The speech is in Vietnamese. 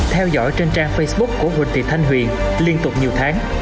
theo dõi trên trang facebook của huỳnh thị thanh huyền liên tục nhiều tháng